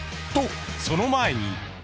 ［とその前に］